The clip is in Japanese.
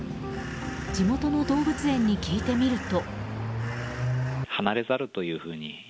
地元の動物園に聞いてみると。